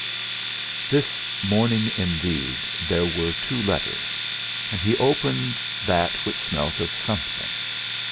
This morning indeed there were two letters, and he opened that which smelt of something.